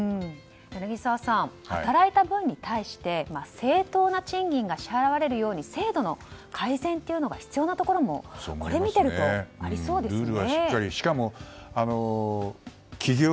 柳澤さん、働いた分に対して正当な賃金が支払われるように制度の改善が必要なところもこれを見てるとありそうですよね。